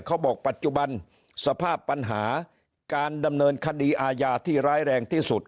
ปัจจุบันสภาพปัญหาการดำเนินคดีอาญาที่ร้ายแรงที่สุด